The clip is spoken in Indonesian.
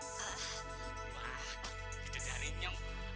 wah kita dari nyong